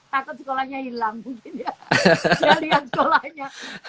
takut sekolahnya hilang mungkin ya